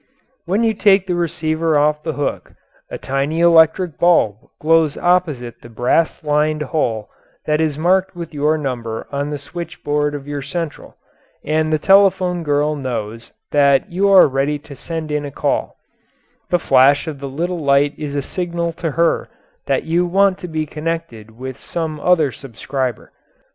When you take your receiver off the hook a tiny electric bulb glows opposite the brass lined hole that is marked with your number on the switchboard of your central, and the telephone girl knows that you are ready to send in a call the flash of the little light is a signal to her that you want to be connected with some other subscriber.